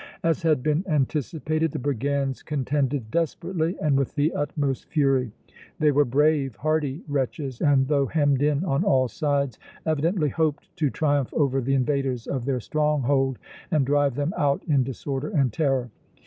As had been anticipated the brigands contended desperately and with the utmost fury. They were brave, hardy wretches, and though hemmed in on all sides evidently hoped to triumph over the invaders of their stronghold and drive them out in disorder and terror.